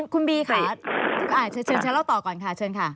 คุณบีค่ะเชิญชั้นเล่าต่อก่อนค่ะ